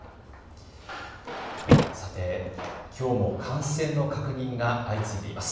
さて、きょうも感染の確認が相次いでいます。